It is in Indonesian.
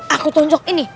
aku tunjuk ini